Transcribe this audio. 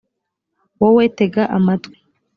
wowe tega amatwi